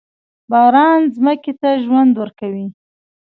باران ځمکې ته ژوند ورکوي.